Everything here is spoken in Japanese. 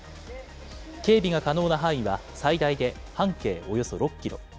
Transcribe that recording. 警備が可能な範囲は最大で半径およそ６キロ。